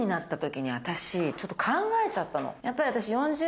やっぱり私。